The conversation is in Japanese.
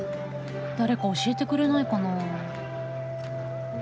誰か教えてくれないかな？